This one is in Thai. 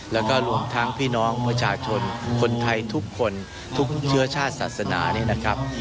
แล้วก็รวมทั้งพี่น้องประชาชนคนไทยทุกคนทุกเชื้อชาติศาสนานี้นะครับ